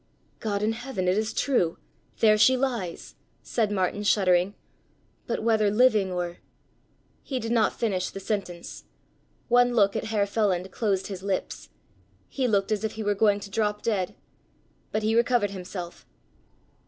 "God in Heaven, it is true, there she lies!" said Martin shuddering, "but whether living or——" He did not finish the sentence. One look at Herr Feland closed his lips. He looked as if he were going to drop dead. But he recovered himself.